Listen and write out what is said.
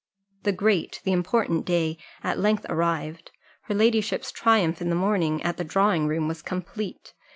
The great, the important day, at length arrived her ladyship's triumph in the morning at the drawing room was complete.